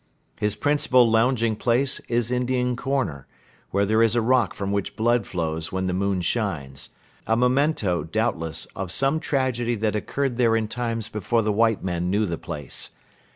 His principal lounging place is Indian Corner, where there is a rock from which blood flows when the moon shines a memento, doubtless, of some tragedy that occurred there in times before the white men knew the place.